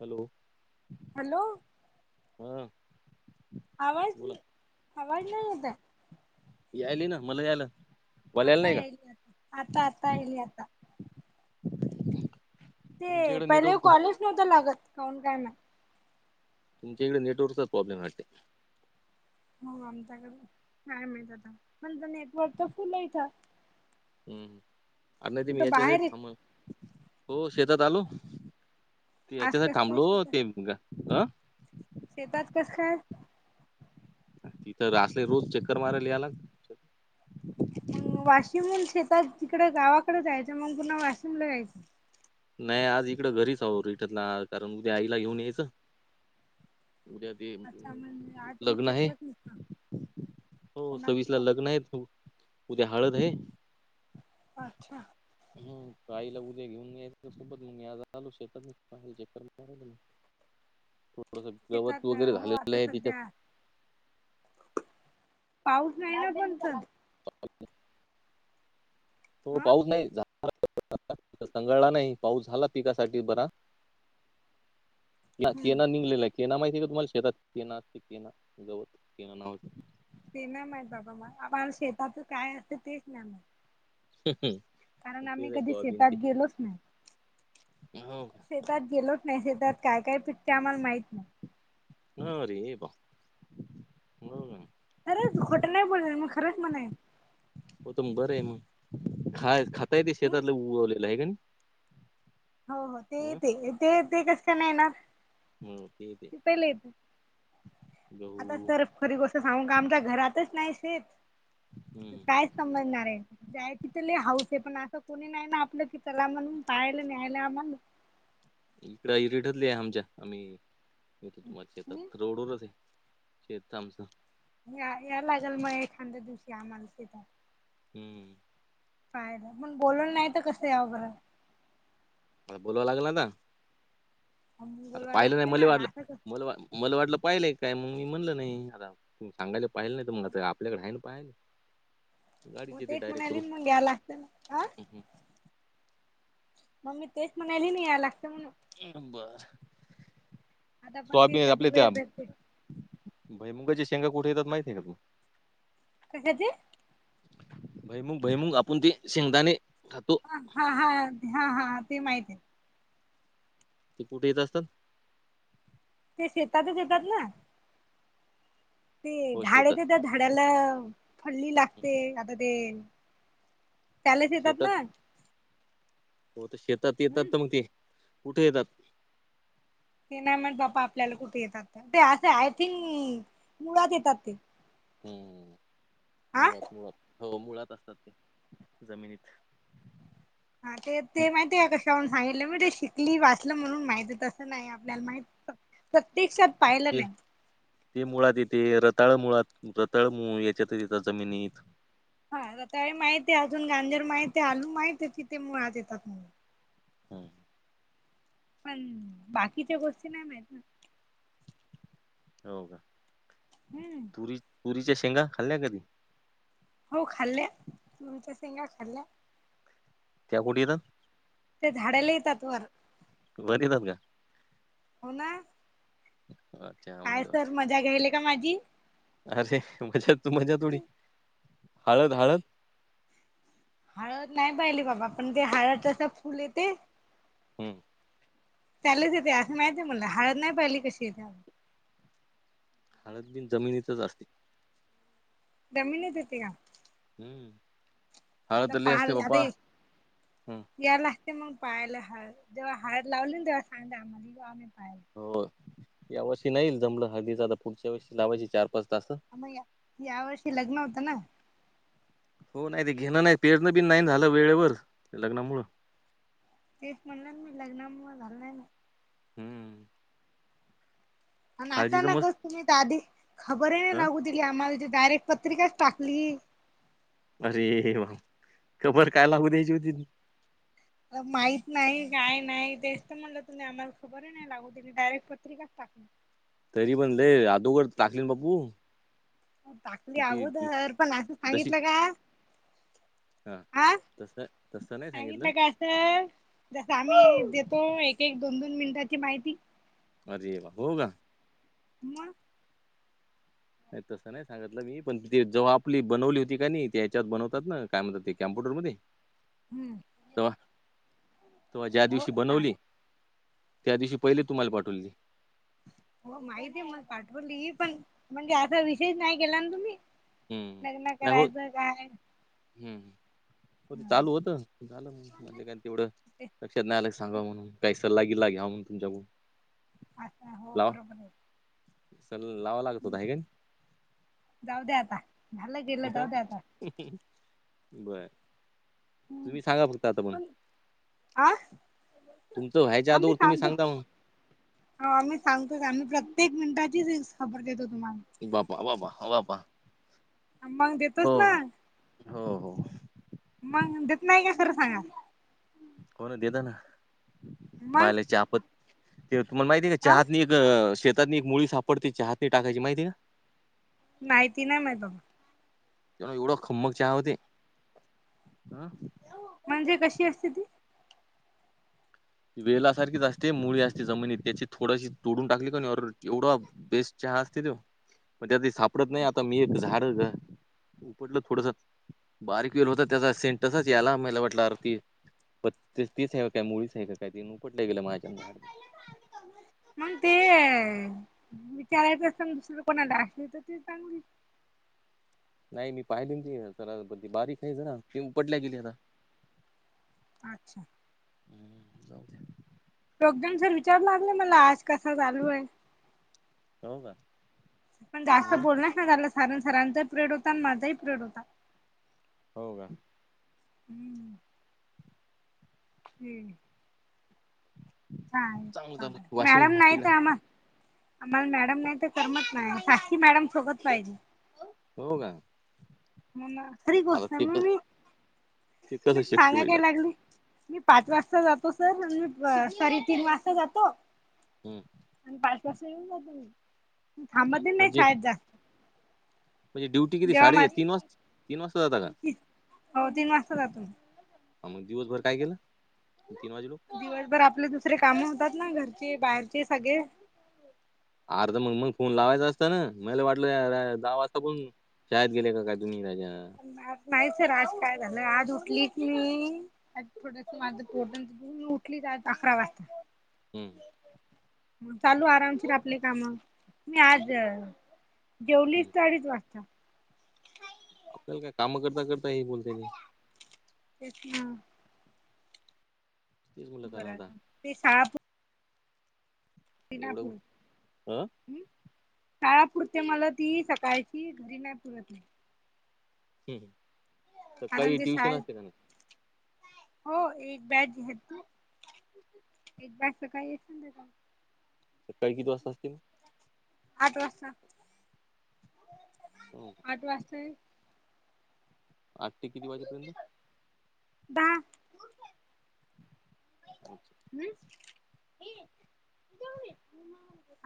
Hello? Hello? हं. आवाज, आवाज नाही येतंय. यायली ना मला ही आला. आता यायलीया, आता आता यायली आता. ते तुमच्याकडे पहिले नेटवर्क कॉलेज नव्हता लागत, कौन काही मा तुमच्याहिकडे नेटवर्कचाच प्रॉब्लेम ये वाटते. हो आमच्याकडे काय माहित आता, पण नेटवर्क तर फुल आहेथ इथं. हम्म अर नाही ती मी कुठं याच्यासाठी बाहेर आहे थांब हो शेतात आलो. ते आज याच्यासाठी कस काय थांबलो शेतात ते अंह शेतात कसं काय? तिथं असले रोज चक्कर मारायले याय लागतं. मंग वाशिमहून शेतात तिकडे गावाकडे जायचं मंग पुन्हा वाशिमला यायचं. नाही आज इकड घरीच आहोत रिटतला कारण उद्या आईला घेऊन यायचं उद्या ते अच्छा म्हणजे अं, आठ लग्न आहे रिचेक्टल नसता हो सव्वीस कोणाशी ला वापर लग्न आहे उद्या हळद हाय. अच्छा. हम त आईला उद्या घेऊन यायच. त्या सोबत मी आज आलो शेतात चक्कर मारायले. थोडसं गवत शेतात वगैरे हो झालेलं आता आहे तिथं. सध्या पाऊस नाही ना पण त. [inaudible] हो हा पाऊस नाही [inaudible] नाही पाऊस झाला पिकासाठी बरा. ना हम्म केना निघलेला केना माहिती आहे का तुम्हाला शेतात केना असते केना गवत केना नावच. ते नाही माहित बाबा मा आम्हाला शेताच काय असत तेच नाही माहित. हम हम. कारण आम्ही कधी शेतात गेलोच नाही हो का शे तात गेलोच नाही शेतात काय काय पिकते आम्हाला माहित नाही. अरे बा हो काय? अरे खोटं नाही बोल मग खरंच मन हो तर मग बरं आहे मग खा खाता येत हम्म शेतातलं उगवलेलं आहे का नाही. हो हो ते येते ते ते कसं का नाही येणार. हम ते येते पहिले येत. गहु आता सर खरी गोष्ट सांगू कामच्या घरातच नाही शेत हम्म काय समजणारये हाऊस ये पण अस कोणी नाही ना आपलं की चला म्हणून पाहायले न्हायला आम्हाले. इकड हरी ठरली आहे आमच्या आम्ही येतो तुम्हा हम्म रोडवरच आहे. शेत आमचं. या याय लागेल मग एखाद्या दिवशी आम्हाला शेतात. हम्म. काय हो पण बोलवल नाही तर कसं यावं खरं. आता बोलवाव लागल आता? मग आता बोलवाय पाहिलं नाही लागते मल ना वाढलं असं क मल वा मला वाटलं पाहिलंय काय मग मी म्हणलं नाही आता सांगायला पाहिलं नाही तर मग आपल्याकडे आहे ना पाहायला. मग गाडीचे ते तेच डायरेक्ट म्हणाली करू मग घ्याला लागतं ना ह. मग् मी तेच म्हणाली ना या लागत म्हण. उम बर आता पण ते स्वामीमी कधी आपले वेळ त्या भेटते भईमुगाच्या शेंगा कुठे येतात महीत आहे का तू कशाचे? भुईमूग, भुईमूग आपण ते शेंगदाणे खातो हा हा हा हा.. ते माहिती आहे. ते कुठे येत असतात ते शेतातच येतात ना. ते हो झाड शेतात ते तर झाडाला फळली लागते आता ते त्यालाच येतात शेतात ना हो तर शेतात येतात.. हम् तर मग ते कुठे येतात?? ते नाही माहित बापा आपल्याला कुठे येतात ते असे आय थिंक मुळात येतात ते हम हा मुळात मुळात हो मुळात असतात ते जमिनीत हा ते मग ते माहिती आहे.. का कशातून सांगितलं म ते शिकली वाचलं म्हणून माहिती तस नाही.. आपल्याला माहीत नव्हत.. प्रत्यक्षात पाहिलं ते नाही. ते मुळात येते रताळ मुळात येता रताळ मु याच्यात येत जमिनीत हा रताळे माहित आहे, अजून गांजर माहित आहे, आलू माहित आहे तिथे मुळात येतात म्हणून हम्म.. पण बाकीच्या गोष्टी नाही माहित ना हो का! हम्म.. तुरी तुरीच्या शेंगा खाल्ल्या कधी? हो खाल्ल्या तुमच्या सेंगा खाल्ल्या. त्या कुठ येतात? ते झाडाल येतात वर वर येतात का? हो ना? हा. काय सर मजा घ्यायलय का माझी? अरे मजा तू मजा थोडी.. हळद हळद?? हळद नाही पाहिले बाबा पण ते हळद तस फुल येते.. हम्म.. त्यालेच येते असं माहिती आहे मला.. हळद नाही पाहिली कशी येते हळद बिन जमिनीतच असते.. जमीनित येती का? हम्म.. आता हळद लई असते बाबा.. हम्म.. यायला लागते मग पाहायला.. हळद जेव्हा हळद लावली तेव्हा सांगा.. आम्हाला म्हणजे आम्ही पाहायला येतो. हो यावर्षी नाही ना जमलं हळदीचा.. आता पुढच्या वर्षी लावायची चार पाच तास.. मग या या वर्षी लग्न होतं ना? हो नाही.. ते घेणं नाही.. पेरणं बि नाही झालं वेळेवर लग्नामुळं.. तेच म्हणलं ना मी लग्नामुळ झालं नाही ना.. हम्म.. आणि हळदीच अचानक मस्त तुम्ही तर आधी खबरही नाही ह लागू दिली आम्हाला डायरेक्ट पत्रिकाच टाकली.. अरे बाप! खबर काय लागू द्यायची होती माहीत नाही काय नाही तेच तर म्हणलं तुम्ही आम्हाला खूपच खबर नाही लागू दिली डायरेक्ट पत्रिकाच टाकून दिली तरी म्हणलं अगोदर टाकलेन बाप्पू.. टाकली अगोदर पण असं जशी सांगितलं का? हा तसं तसं नाय सांगितलं. [unintelligible] का असं जसं आम्ही देतो एक एक दोन दोन मिनटाची माहिती आज येल हो का. म. नाय तसं नाय सा [unintelligible] मी पण ती जेव्हा आपली बनवली होती की नाई त्या हयाच्यात बनवतात ना काय म्हणतात ते कॉम्प्युटर मध्ये. हम्म. तवा तवा ज्या हो दिवशी सांग बनवली त्या दिवशी पहिले तुम्हाला पाठवली. हो माहितीय मग पाठवली पण म्हणजे असं विशेष नाय केला ना तुम्ही? हम्म लग्न नाय हो करायचं काय हम्म. चालू होतं [unintelligible] तेवढं ते लक्षात नाय आलाय सांगाव म्हणून काही सल्ला गिला घ्याव म्हणून तुमच्याकडून अच्छा हो लावा बरोबर. सल लावावा लागत होता आहे हाय काय? जाऊ द्या आता. झालं गेलं जाऊ द्या आता [unintelligible] [inaudible] बरं तुम्ही सांगा फक्त आता पण आ. तुमंचं व्यायच्या आदोगर तुम्ही सांगता मग हो आम्ही सांगतोच आम्ही प्रत्येक मिनिटाचीच खबर देतो तुम्हाला बापा बाबा बाबा. मग देतोचं ना. हो हो. मग देत नाय का खरं सांगा. हो ना देेत ना मग माला चहापत ते तुम्हाला माहिती आहे का अ चहात नि त अह शेतातनी एक मुळी सापडते चहातने टाकायची माहिती का? नाय ती नाय माहित बाबा. पण एवढं खम्मक चहा होते अह. म्हणजे कशी असते ती? वेलासारखीच असते मुळी असते जमिनीत त्याची थोडं अशी तोडून टाकली का नाय आरं एवढा बेस्ट चहा असते तो पण ते त्यात सापडत नाय आता मी एक झाडं उपटलं थोडस बारीक वेल होता त्याचा सेंटसच तसाचं यायला वाटला आरं ती प ते तीच आहे काय मुळीच आहे का काय ती मग उपटल्या गेलं माझ्या कडून मंग ते विचारायच असणं दुसरं कोणाला असल तर ते चांगली नाई मी पाहिले ना ती जरा बारीक आहे जरा पिंपटल्या गेली ना. अच्छा. हम्म जावू द्या. प्रोग्राम सर विचारू लागले मला, आज कसा चालू हाय? हो का. पण जास्त मग बोलणच नाय झालं, सारण सरांचाही प्रेड होता आणि माझाही प्रेड होता. हो मॅम. हम्म. हम्म. चांगलं चालूय मॅडम वाशिम नाही तर तिकडे आम्हा आम्हाला मॅडम नाही तर करमत नाही साक्षी मॅडम सोबत पाहिजे हो का खरी आता गोष्ट ते कस मम्मी ते कसं शक्य सांगाय होईल काय आता लागले मी पाच वाजता जातो सर मी सॉरी तीन वाजता जातो हम आणि पाच वाजता येऊन जातो मी थांबत नाही म्हणजे शाळेत जा म्हणजे ड्यूटी किती साडेे माझ तीन तीन वाजता जाता का हो तीन वाजता जातो ह मग दिवसभर काय केेलं तीन वाजे लोक दिवसभर आपले दुसरे काम होतात ना घरचे बाहेरचे सगळे अर तर मग मग फोन लावायचा असतं ना मला वाटलं दहा वाजता कोण शाळेत गेले का तुम्ही राजा आज नाहीच राजकारण आज उठली की आ थोडस माझं पोट दुकाल उठली आज अकरा वाजता हम चालू आरामशीर आपले कामावर मी आज हम्म. जेवलीच अडीच वाजता आपल्याला काय काम करता करता हे बोलत्याती तेच ना तेच म्हणलं कारण आता ते साप एवढं सिनापूर उश- अं? ह् शळा पुरते मला ती सकाळची घरी नाही पुरतली नाही ह ह कारण ते शाळत हो एक बॅघ घेत तू एक सकाळ एक संध्याकाळ सकाळी किती वाजता असते आठ वाजता हो आठ वाजता येऊ आठ ते किती वाजेपर्यंत दहा अच्छा हम्म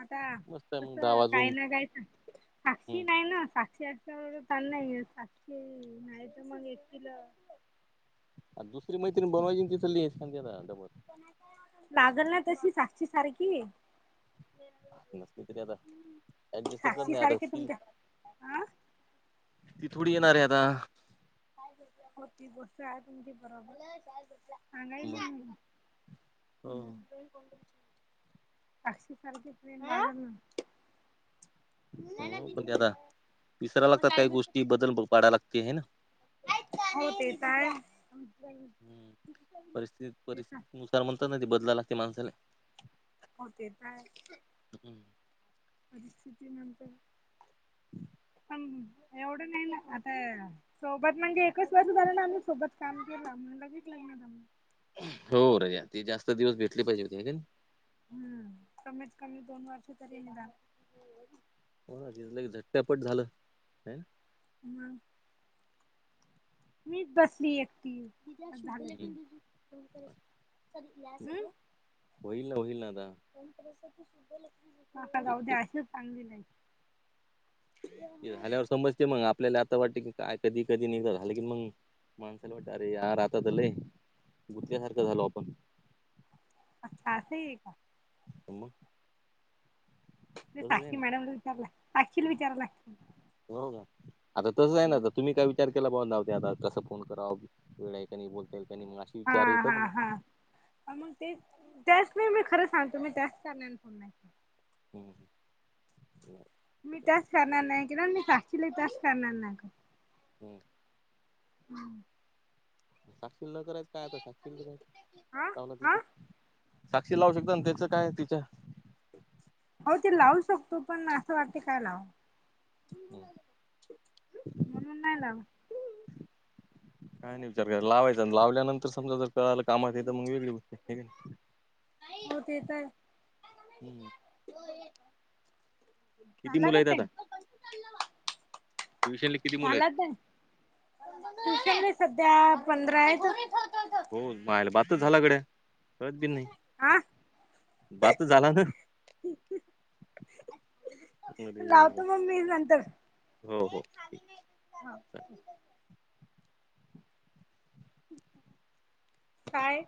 आता मस्त आहे कस मग दहा वाजून काय ना काय साक्षी हम्म. ना साक्षी साक्षी नाही तर मग एक किल दुसरी मैत्रि बनयची तीचाली आहेसबर लागल ना तशी साक्षी सारखी नसली तरी आता ऍडजस्ट करत साक्षी नाही आता सारखे ती तुमच्या हं ती थोडी येणार आहे आता होती गोष्ट हाय तुमची बरोबर सागाली मग मी हो ह साक्षीसारखीच ट्रेन ना हो पण त्या आता विसरायला लागतात काही गोष्टी बदल भो पाडाय लागते आहे ना हो ते तर आहे तर म्हणतात ना ते बदला लागते माणसाला हो ते त आहे. परिस्थिती नंतर- ह हं हं. एवढं नाही ना आता हे - सोबत म्हणजे एकच वर्ष झालं ना आम्ही सोबत काम केलं. म लगेच [unintelligible] हो रे. ती जास्त दिवस भेटली पाहिजे होती. आहे का नाही? हम्म. कमीत कमी दोन वर्ष तरी निदान. हो ना. तिच लगेच झट का पट झालं. आहे ना? हम्म. मीच बसली एकटी. ना [inaudible] होईल ना होईल ना आता. आता एक जाऊ द्या एक [unintelligible] ते झाल्यावर समजते मग. आपल्याला आता वाटते की काय कधी कधी निघ झालं कि मग- माणसाला वाटत, अरे यार! आता त लय गुतक्यासारखं झालो आपण. अच्छा. असंही ए का? अम. मी आहे ना साक्षी मॅडमला विचारल. साक्षीला विचारव [unintelligible] [unintelligible] आता त्याच झालं. आता तुम्ही काय- विचार केला बुवा आता कसं फोन करावा? वेळ आहे का नाही? बोलताय का नाही? मग अशी विचार येता ना मग? हां. मग तेच. त्याच नाही मी खरं सांगतो मी त्याच कारणान फोन नाही केला. हं. हं. मी त्याच कारणाने नाही केला. न मी साक्षीलाही त्याच कारणान नाही केला. हं. हम्म. साक्षीला न करायच काय आता? साक्षीला हा करायच हा [unintelligible] साक्षी लावू शकते ना त्याचं काय तिच? हो ते लावू शकतो. पण असं वाटते काय लावू? हम्म. म्हणून नाही लावला. काय नाही विचार [unintelligible] लावायचा. अन लावल्यानंतर समजा जर कळालं कामात ए तर मग वेगळी गोष्ट ए. आहे की नाही? हो. ते तर आहे. हम्म. किती झाला मुलं का आहेत आता टाइम? ट्युशनला किती मुलं आहेत झाला टाइम. ठीक ए ना सध्या, पंधरा आहेत. हो मायला बात त झाला गड्या. कळत बीन नाही हा बात त झाला ना? अरे वा! लावतो मग मी नंतर. हो. हो. काय?